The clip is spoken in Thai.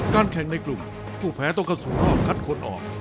แข่งในกลุ่มผู้แพ้ต้องเข้าสู่รอบคัดคนออก